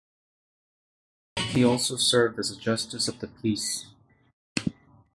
He also served as a justice of the peace.